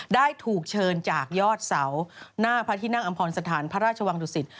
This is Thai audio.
ได้ถูกเชิญจากยอดเสาหน้าพระที่นั่งอำพรสถานพระราชวังดุสิต